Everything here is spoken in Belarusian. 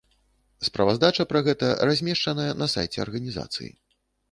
Справаздача пра гэта размешчаная на сайце арганізацыі.